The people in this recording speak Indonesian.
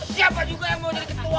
siapa juga yang mau jadi ketua